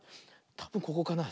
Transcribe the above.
たぶんここかな。